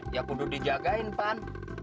ya kudu dijagain pan